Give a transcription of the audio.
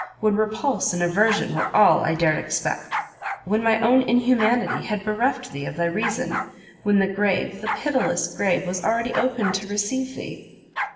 when repulse and aversion were all I dared expect, when my own inhumanity had bereft thee of thy reason, when the grave, the pitiless grave, was already open to receive thee."